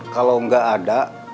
kalau gak ada